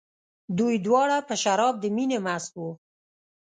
دوی دواړه په شراب د مینې مست وو.